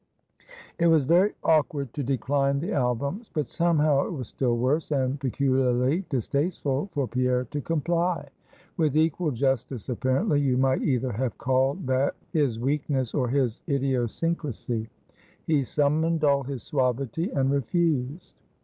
It was very awkward to decline the albums; but somehow it was still worse, and peculiarly distasteful for Pierre to comply. With equal justice apparently, you might either have called this his weakness or his idiosyncrasy. He summoned all his suavity, and refused.